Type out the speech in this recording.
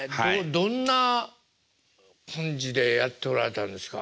どんな感じでやっておられたんですか？